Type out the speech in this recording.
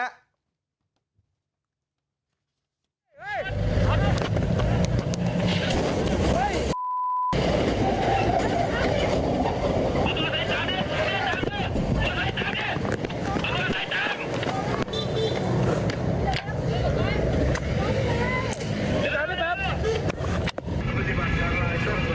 เอาตัวใส่สามดิเอาตัวใส่สามดิเอาตัวใส่สาม